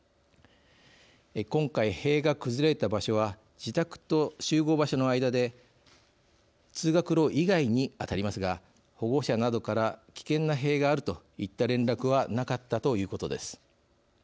今回塀が崩れた場所は自宅と集合場所の間で通学路以外に当たりますが保護者などから危険な塀があるといった連絡はなかったということです。